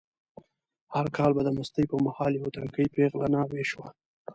هر کال به د مستۍ په مهال یوه تنکۍ پېغله ناوې شوه.